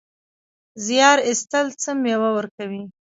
زیار ایستل څه مېوه ورکوي؟